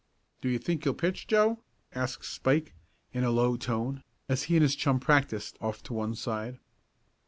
"Do you think you'll pitch, Joe?" asked Spike, in a low tone, as he and his chum practised off to one side.